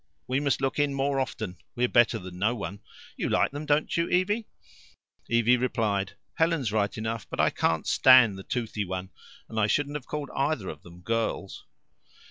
We must look in more often we're better than no one. You like them, don't you, Evie?" Evie replied: "Helen's right enough, but I can't stand the toothy one. And I shouldn't have called either of them girls."